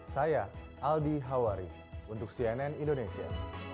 saya aldi hawari untuk cnn indonesia